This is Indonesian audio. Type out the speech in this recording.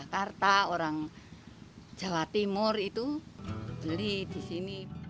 jakarta orang jawa timur itu beli di sini